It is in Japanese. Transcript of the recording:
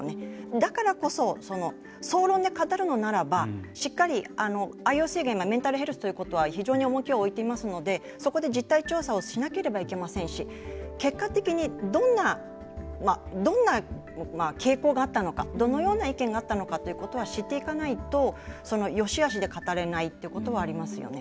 だからこそ、総論で語るのならばしっかり、ＩＯＣがメンタルヘルスということは非常に重きを置いていますのでそこで実態調査をしなければいけませんし結果的にどんな傾向があったのかどのような意見があったのかということは知っていかないとそのよしあしで語れないということはありますよね。